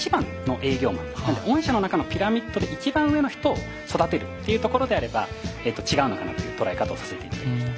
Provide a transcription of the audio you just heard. なので御社の中のピラミッドで一番上の人を育てるっていうところであればえっと違うのかなという捉え方をさせて頂きました。